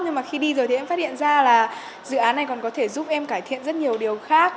nhưng mà khi đi rồi thì em phát hiện ra là dự án này còn có thể giúp em cải thiện rất nhiều điều khác